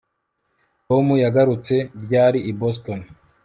tom yagarutse ryari i boston